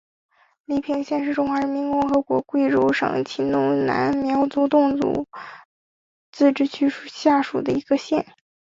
黎平县是中华人民共和国贵州省黔东南苗族侗族自治州下属的一个县。